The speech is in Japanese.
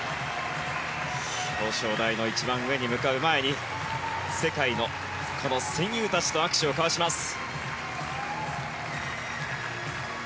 表彰台の一番上に向かう前に世界の他の戦友たちと握手を交わしました。